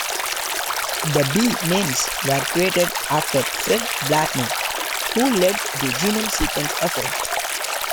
The "b" names were created after Fred Blattner, who led the genome sequence effort.